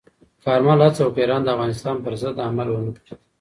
کارمل هڅه وکړه، ایران د افغانستان پر ضد نه عمل وکړي.